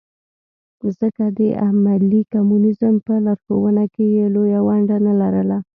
ځکه د عملي کمونیزم په لارښوونه کې یې لویه ونډه نه لرله.